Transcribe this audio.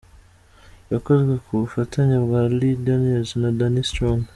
Yakozwe ku bufatanye bwa Lee Daniels na Danny Strong.